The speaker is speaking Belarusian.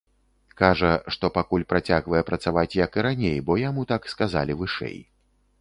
Кажа, што пакуль працягвае працаваць, як і раней, бо яму так сказалі вышэй.